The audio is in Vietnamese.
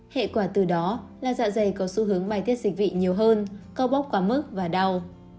hệ quả từ đó là dạ dày có xu hướng bay tiết dịch vị nhiều hơn cao bóc quá mức và đau